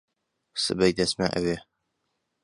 سبەی دەچمە ئەوێ.